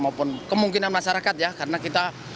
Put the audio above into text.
maupun kemungkinan masyarakat ya karena kita